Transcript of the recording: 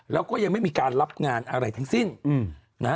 แล้วก็ยังไม่มีการรับงานอะไรทั้งสิ้นนะฮะ